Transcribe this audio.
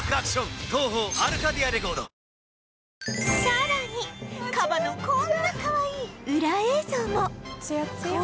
さらにカバのこんなかわいいウラ映像もつやつや。